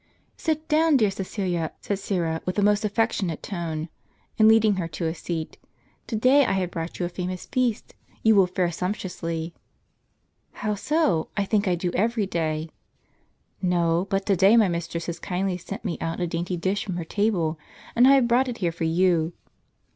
" Sit down, dear Caacilia," said Syra, with a most affec tionate tone, and leading her to a seat; "to day I have brought you a famous feast; you will fare sumptuously." " How so? I think I do every day." "No, but to day my mistress has kindly sent me out a dainty dish from her table, and I have brought it here for you."